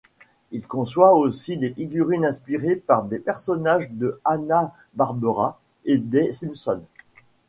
Il conçoit aussi des figurines inspirées par les personnages de Hanna-Barbera et des Simpsons.